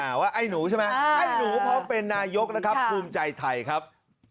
ว่าไอ้หนูใช่ไหมให้หนูพร้อมเป็นนายกนะครับภูมิใจไทยครับ